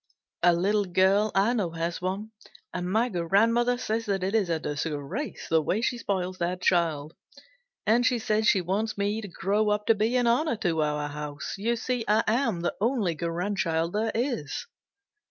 "A little girl I know has one, and my grandmother says that it is a disgrace the way she spoils that child, and she says she wants me to grow up to be an honor to our house. You see I am the only grandchild there is.